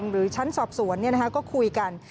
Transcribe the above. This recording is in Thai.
หรือชั้นสอบสวนก็คุยกัน